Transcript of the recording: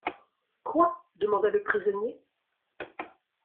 Quoi ? demanda le prisonnier.